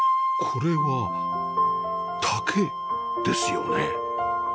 これは竹ですよね？